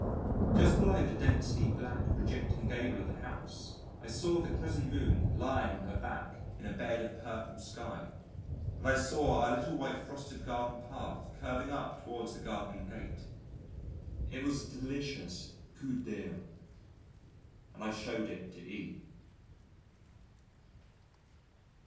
Just below the densely black projecting gable of the house I saw the crescent moon lying on her back in a bed of purple sky, and I saw our little white frosted garden path curving up towards the garden gate. It was a delicious coup d'œil, and I shewed it to E